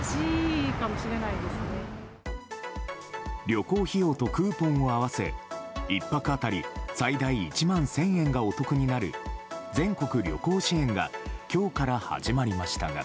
旅行費用とクーポンを合わせ１泊当たり最大１万１０００円がお得になる全国旅行支援が今日から始まりましたが。